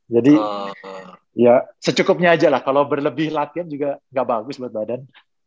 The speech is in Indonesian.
jadi ya secukupnya aja lah kalau berlebih latihan juga gak bagus buat badan